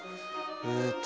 えっと